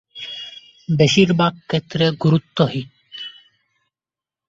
বেশিরভাগ ক্ষেত্রে গুরুত্বহীন।